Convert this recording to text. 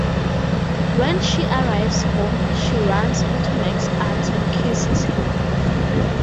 When she arrives home, she runs into Mike's arms and kisses him.